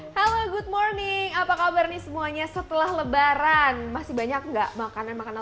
halo good morning apa kabar nih semuanya setelah lebaran masih banyak enggak makanan makanan